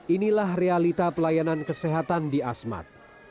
inilah realita pelayanan kesehatan di asmat